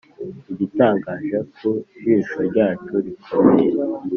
igitangaje ku jisho ryacu rikomeye,